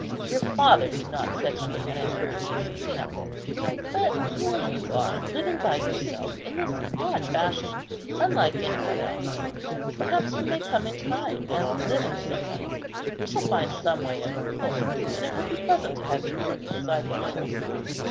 Your father did not set me an encouraging example; but here you are living by yourself, in this odd fashion, unlike any one else. Perhaps you may come in time and live in Sicca. We shall find some way of employing you, and it will be pleasant to have you near me as I get old.